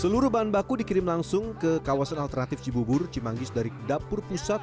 seluruh bahan baku dikirim langsung ke kawasan alternatif cibubur cimanggis dari dapur pusat